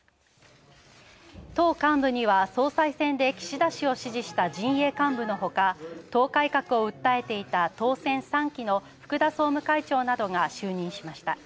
党幹部には総裁選で岸田氏を支持した陣営幹部のほか党改革を訴えていた当選３期の福田総務会長らが就任しました。